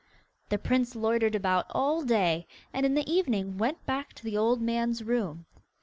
The prince loitered about all day, and in the evening went back to the old man's room.